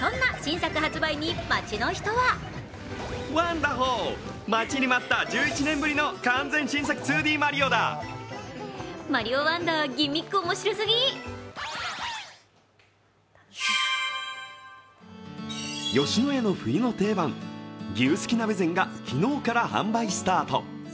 そんな新作発売に街の人は吉野家の冬の定番、牛すき鍋膳が昨日から販売スタ−ト。